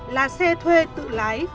là xe thuê tự lái